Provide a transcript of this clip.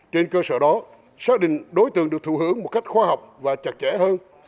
trên cơ sở đó xác định đối tượng được thù hưởng một cách khoa học và chặt chẽ hơn